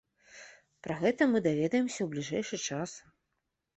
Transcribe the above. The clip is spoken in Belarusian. Пра гэта мы даведаемся ў бліжэйшы час.